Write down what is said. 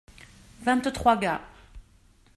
Vingt-trois gars.